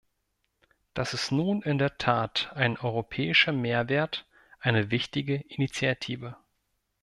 Das ist nun in der Tat ein europäischer Mehrwert, eine wichtige Initiative.